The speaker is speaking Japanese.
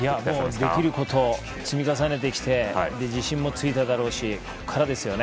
できることを積み重ねてきて自信もついただろうしここからですよね。